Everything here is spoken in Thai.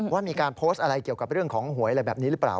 ว่ามีการโพสต์อะไรเกี่ยวกับเรื่องของหวยอะไรแบบนี้หรือเปล่า